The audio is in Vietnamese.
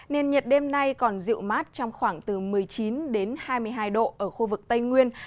nền nhiệt đêm nay còn dịu mát trong khoảng từ một mươi chín đến hai mươi hai độ ở khu vực tây nguyên